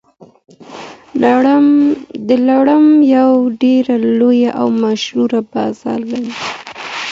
دلارام یو ډېر لوی او مشهور بازار لري.